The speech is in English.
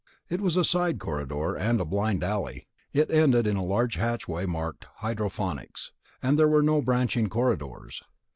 It was a side corridor, and a blind alley; it ended in a large hatchway marked HYDROPONICS, and there were no branching corridors.